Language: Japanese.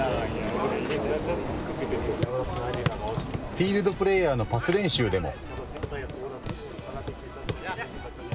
フィールドプレーヤーのパス練習でも。